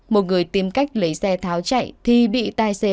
một người tìm cách lấy xe tháo chạy thì bị tài xế